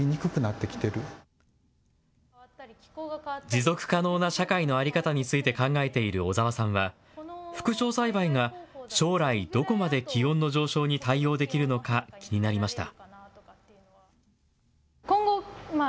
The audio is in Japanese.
持続可能な社会の在り方について考えている小澤さんは副梢栽培が将来どこまで気温の上昇に対応できるのか気になりました。